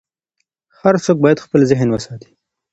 هر څوک باید خپل ذهن وساتي.